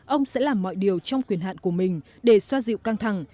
ông sẽ làm mọi điều trong quyền hạn của mình để xoa dịu căng thẳng